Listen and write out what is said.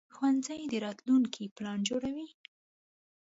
ښوونځی د راتلونکي پلان جوړوي